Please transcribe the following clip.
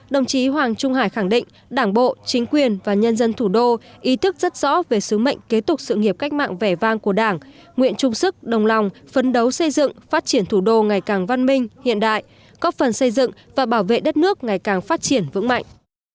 đồng chí hoàng trung hải khẳng định đảng bộ chính quyền và nhân dân thủ đô ý thức rất rõ về sứ mệnh kế tục sự nghiệp cách mạng vẻ vang của đảng nguyện trung sức đồng lòng phấn đấu xây dựng phát triển thủ đô ngày càng văn minh hiện đại góp phần xây dựng và bảo vệ đất nước ngày càng phát triển vững mạnh